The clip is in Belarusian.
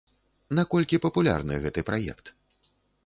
Наколькі папулярны гэты праект?